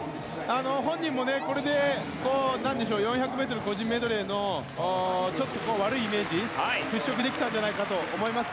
本人もこれで４００ｍ個人メドレーの悪いイメージを払しょくできたんじゃないかと思います。